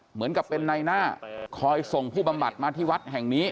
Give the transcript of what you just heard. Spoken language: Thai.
เหมือนกับเป็นในหน้าคอยส่งผู้บำบัดมาที่วัดแห่งนี้